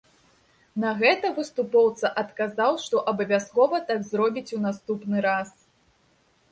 На гэта выступоўца адказаў, што абавязкова так зробіць у наступны раз.